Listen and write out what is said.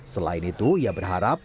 selain itu ia berharap